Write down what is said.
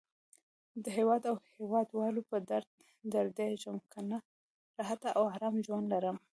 د هیواد او هیواد والو په درد دردېږم. کنه راحته او آرام ژوند لرم.